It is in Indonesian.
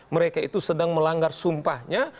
mereka itu sedang melanggar sumpahnya